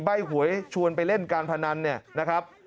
หวยชวนไปเล่นการพนันเนี่ยนะครับ